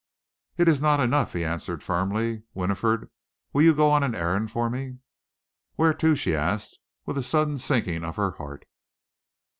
"It is not enough," he answered firmly. "Winifred, will you go on an errand for me?" "Where to?" she asked, with a sudden sinking of her heart.